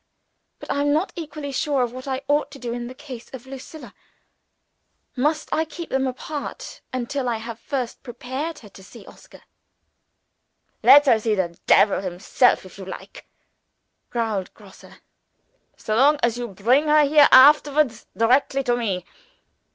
But I am not equally sure of what I ought to do in the case of Lucilla. Must I keep them apart until I have first prepared her to see Oscar?" "Let her see the devil himself if you like," growled Grosse, "so long as you bring her here afterwards directly to me.